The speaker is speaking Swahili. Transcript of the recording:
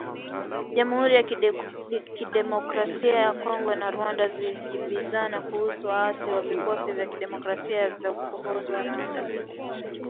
Jamhuri ya Kidemokrasia ya Kongo na Rwanda zajibizana kuhusu waasi wa Vikosi vya Kidemokrasia vya Ukombozi wa Rwanda